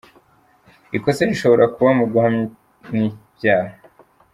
Ikosa rishobora kuba mu guhamwa n’ibyaha.